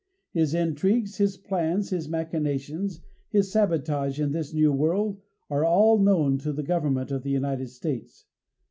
His intrigues, his plots, his machinations, his sabotage in this New World are all known to the government of the United States.